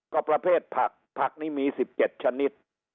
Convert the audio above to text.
ก็ประเภทผักผักนี้มี๑๗ชนิด